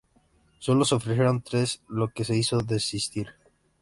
Sólo se ofrecieron tres, lo que le hizo desistir.